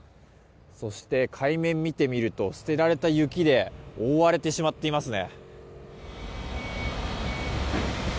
そして、海面を見てみると捨てられた雪で覆われてしまっていますね。